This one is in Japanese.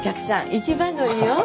一番乗りよ。